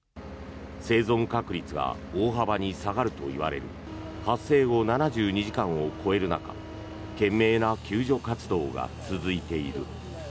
生存確率が大幅に下がるといわれる発生後７２時間を超える中懸命な救助活動が続いている。